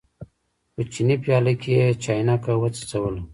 په چیني پیاله کې یې چاینکه وڅڅوله.